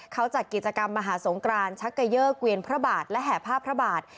เขาจัดกิจกรรมมหาสงกรานชักเกยอร์เกวียนพระบาทและแห่ผ้าพระบาท